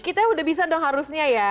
kita udah bisa dong harusnya ya